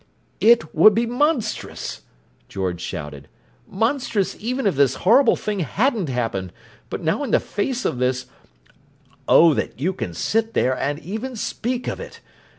"It would be monstrous!" George shouted. "Monstrous even if this horrible thing hadn't happened, but now in the face of this—oh, that you can sit there and even speak of it!